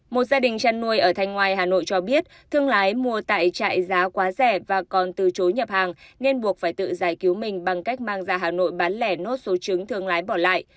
một gia đình chăn nuôi ở thanh ngoài hà nội cho biết thương lái mua tại trại giá quá rẻ và còn từ chối nhập hàng nên buộc phải tự giải cứu mình bằng cách mang ra hà nội bán lẻ nốt số trứng thương lái bỏ lại